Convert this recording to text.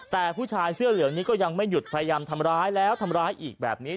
แต่ผู้ชายเสื้อเหลืองนี้ก็ยังไม่หยุดพยายามทำร้ายแล้วทำร้ายอีกแบบนี้